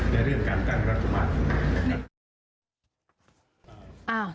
ในเรื่องการตั้งรัฐบาล